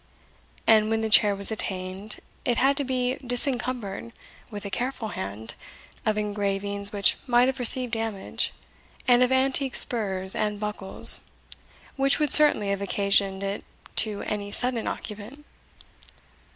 And, when the chair was attained, it had to be disencumbered, with a careful hand, of engravings which might have received damage, and of antique spurs and buckles, which would certainly have occasioned it to any sudden occupant.